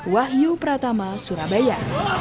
wahyu pratama surabaya